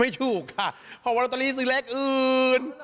ไม่ถูกค่ะควรตอรี่ซื้อเลขอื่น